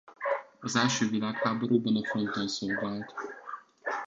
Az első világháborúban a fronton szolgált.